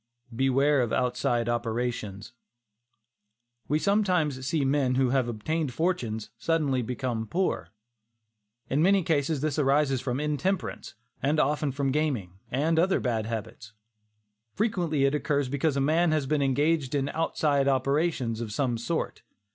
BEWARE OF "OUTSIDE OPERATIONS." We sometimes see men who have obtained fortunes, suddenly become poor. In many cases this arises from intemperance, and often from gaming, and other bad habits. Frequently it occurs because a man has been engaged in "outside operations," of some sort.